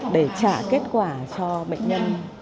để trả kết quả cho bệnh nhân